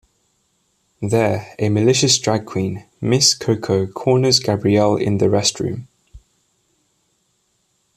There, a malicious drag queen, Miss Coco, corners Gabriel in the restroom.